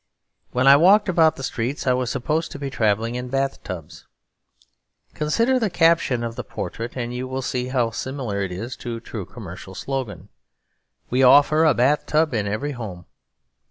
When I walked about the streets, I was supposed to be travelling in bath tubs. Consider the caption of the portrait, and you will see how similar it is to the true commercial slogan: 'We offer a Bath Tub in Every Home.'